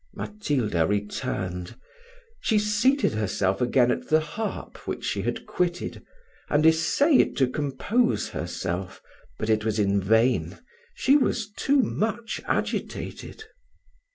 Matilda returned she seated herself again at the harp which she had quitted, and essayed to compose herself; but it was in vain she was too much agitated.